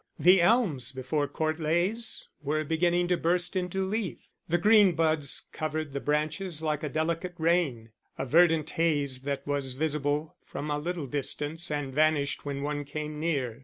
The elms before Court Leys were beginning to burst into leaf; the green buds covered the branches like a delicate rain, a verdant haze that was visible from a little distance and vanished when one came near.